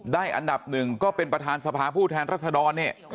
อันดับหนึ่งก็เป็นประธานสภาผู้แทนรัศดรเนี่ย